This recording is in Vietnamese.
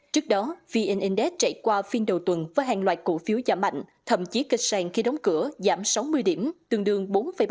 trước đó vn index chạy qua phiên đầu tuần với hàng loạt cổ phiếu giảm mạnh thậm chí kịch sàng khi đóng cửa giảm sáu mươi điểm tương đương bốn bảy